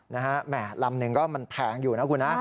แหม่ลำหนึ่งก็มันแพงอยู่นะคุณนะ